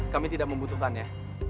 kami tidak membutuhkannya